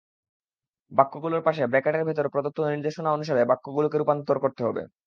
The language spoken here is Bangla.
বাক্যগুলোর পাশে ব্রাকেটের ভেতরে প্রদত্ত নির্দেশনা অনুসারে বাক্যগুলোকে রূপান্তর করতে হবে।